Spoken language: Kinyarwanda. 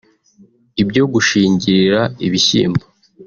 ibyo gushingirira ibishyimbo